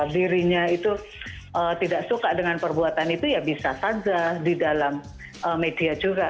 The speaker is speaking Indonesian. dirinya itu tidak suka dengan perbuatan itu ya bisa saja di dalam media juga